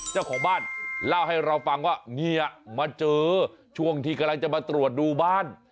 เจ้าของบ้านเล่าให้เราฟังว่าเงียมาเจอช่วงที่กำลังจะมาตรวจดูบ้าน